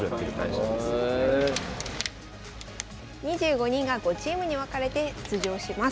２５人が５チームに分かれて出場します。